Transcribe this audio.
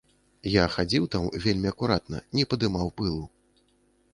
Я хадзіў там вельмі акуратна, не падымаў пылу.